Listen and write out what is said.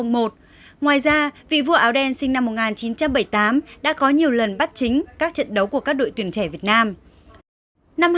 ngoài ra vị vua áo đen sinh năm một nghìn chín trăm bảy mươi tám đã có nhiều lần bắt chính các trận đấu của các đội tuyển trẻ việt nam